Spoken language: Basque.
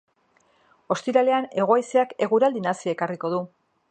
Ostiralean hego haizeak eguraldi nahasia ekarriko du.